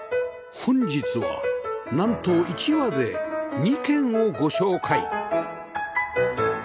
本日はなんと一話で２軒をご紹介